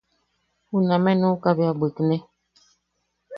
Junameʼe nukaʼa bea bwikne.